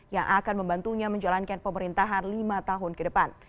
yang akan membantunya menjalankan pemerintahan lima tahun ke depan